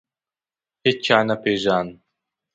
هیچا نه پېژاند.